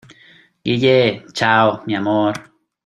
¡ guille! chao, mi amor.